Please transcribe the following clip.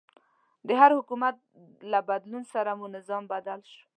د هر حکومت له بدلون سره مو نظام بدل شوی.